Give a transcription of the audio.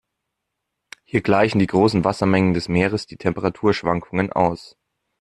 Hier gleichen die großen Wassermengen des Meeres die Temperaturschwankungen aus.